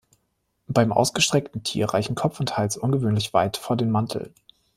Beim ausgestreckten Tier reichen Kopf und Hals ungewöhnlich weit vor den Mantel.